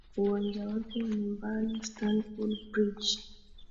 uwanja wake wa nyumbani stanford bridge